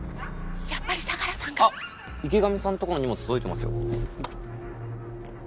やっぱり相良さんが？あっ池上さんのとこの荷物届いてますよはい。